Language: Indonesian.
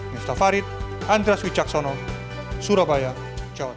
mustafa rid andres wijaksono surabaya jawa tenggara